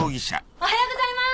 おはようございます。